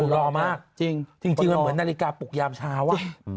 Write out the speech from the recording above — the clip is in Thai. รอมากเหมือนนาฬิกาปุกยามเช้าอะ